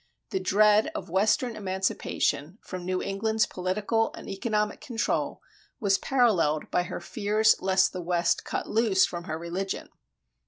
The dread of Western emancipation from New England's political and economic control was paralleled by her fears lest the West cut loose from her religion.